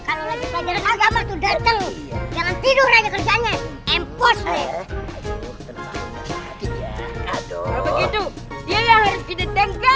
kenapa gitu dia yang harus di deteng ke